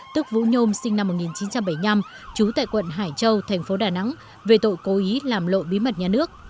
tức vũ nhôm sinh năm một nghìn chín trăm bảy mươi năm trú tại quận hải châu thành phố đà nẵng về tội cố ý làm lộ bí mật nhà nước